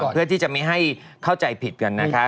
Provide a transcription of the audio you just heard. เพื่อที่จะไม่ให้เข้าใจผิดกันนะคะ